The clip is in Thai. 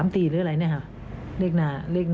๓ตีหรืออะไรนะค่ะ